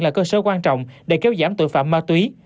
là cơ sở quan trọng để kéo giảm tội phạm ma túy